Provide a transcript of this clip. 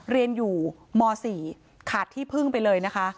เรียนอยู่ม๔ขาดที่พึ่งไปเลยนะคะ